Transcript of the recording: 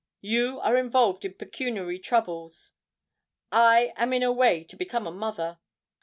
You are involved in pecuniary troubles—I am in a way to become a mother.